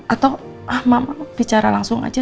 atau ahma bicara langsung aja